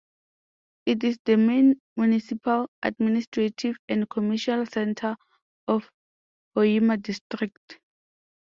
It is the main municipal, administrative, and commercial center of Hoima District.